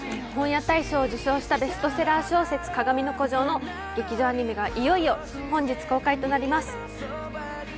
本屋大賞を受賞したベストセラー小説『かがみの孤城』の劇場アニメがいよいよ本日公開となります。